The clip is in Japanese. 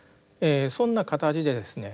そんな形でですね